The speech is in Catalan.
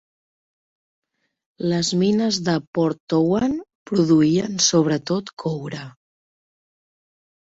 Les mines de Porthtowan produïen sobre tot coure.